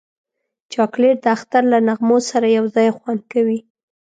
چاکلېټ د اختر له نغمو سره یو ځای خوند کوي.